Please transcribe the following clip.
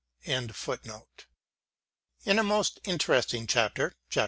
f In a most interesting chapter — chap.